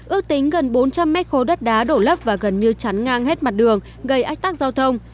ước tính gần bốn trăm linh mét khối đất đá đổ lấp và gần như chắn ngang hết mặt đường gây ách tắc giao thông